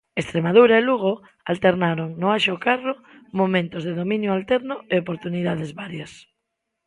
Estremadura e Lugo alternaron no Anxo Carro momentos de dominio alterno e oportunidades varias.